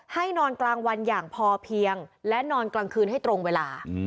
นอนกลางวันอย่างพอเพียงและนอนกลางคืนให้ตรงเวลา